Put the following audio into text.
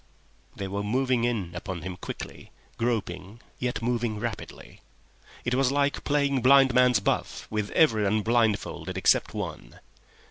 They were moving in upon him quickly, groping, yet moving rapidly. It was like playing blind man's buff with everyone blindfolded except one.